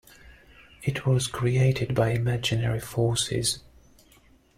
It was created by Imaginary Forces.